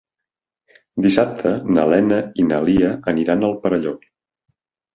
Dissabte na Lena i na Lia aniran al Perelló.